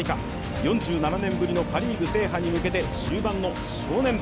４７年ぶりのパ・リーグ制覇にかけて終盤の正念場。